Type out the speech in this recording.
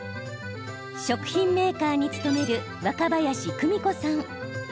食品メーカーに勤める若林久美子さん。